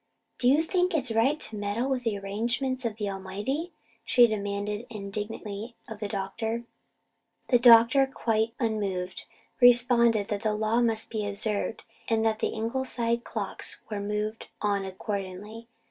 "Do you think it right to meddle with the arrangements of the Almighty?" she demanded indignantly of the doctor. The doctor, quite unmoved, responded that the law must be observed, and the Ingleside clocks were moved on accordingly.